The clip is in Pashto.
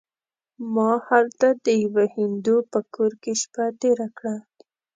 ما هلته د یوه هندو په کور کې شپه تېره کړه.